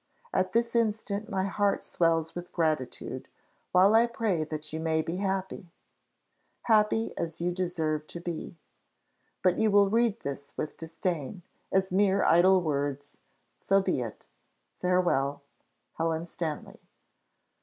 At this instant my heart swells with gratitude, while I pray that you may be happy happy as you deserve to be. But you will read this with disdain, as mere idle words: so be it. Farewell! HELEN STANLEY."